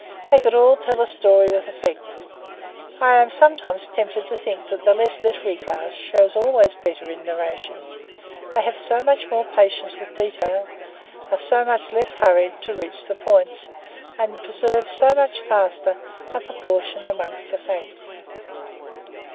They could all tell a story with effect. I am sometimes tempted to think that the less literary class show always better in narration; they have so much more patience with detail, are so much less hurried to reach the points, and preserve so much juster a proportion among the facts.